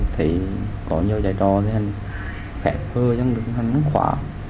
thì có nhiều trại trò nên khẽ khơi chẳng được hành khóa